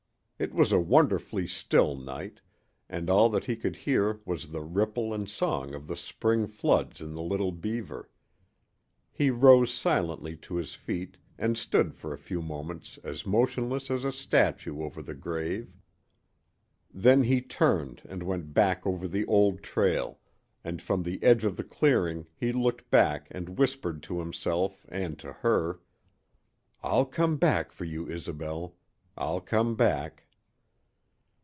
It was a wonderfully still night, and all that he could hear was the ripple and song of the spring floods in the Little Beaver. He rose silently to his feet and stood for a few moments as motionless as a statue over the grave. Then he turned and went back over the old trail, and from the edge of the clearing he looked back and whispered to himself and to her: "I'll come back for you, Isobel. I'll come back."